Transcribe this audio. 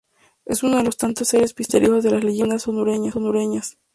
Es uno de los tantos seres misteriosos de las leyendas hondureñas.